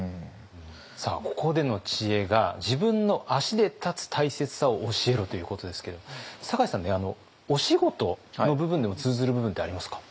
ここでの知恵が「自分の足で立つ大切さを教えろ」ということですけども酒井さんお仕事の部分でも通ずる部分ってありますか？